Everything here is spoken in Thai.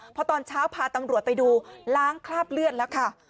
พอตอนเช้าพาตำรวจไปดูล้างคราบเลือดแล้วค่ะ